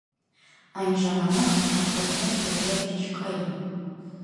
Այն ժամանակ ճամպրուկներ դեռևս չկային։